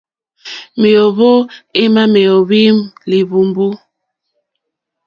Méǒhwò émá méóhwí líhwùmbú.